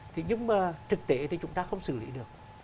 thế nhưng mà thực tế thì chúng ta không xử lý được